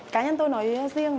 cá nhân tôi nói riêng